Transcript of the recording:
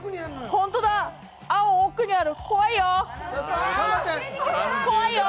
ホントだ、青、奥にある、怖いよ。